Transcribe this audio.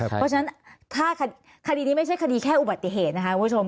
เพราะฉะนั้นถ้าคดีนี้ไม่ใช่คดีแค่อุบัติเหตุนะคะคุณผู้ชม